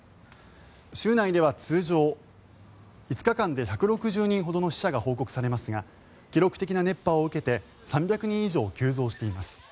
州内では通常５日間で１６０人ほどの死者が報告されますが記録的な熱波を受けて３００人以上急増しています。